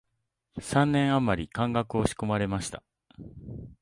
三年あまり漢学を仕込まれました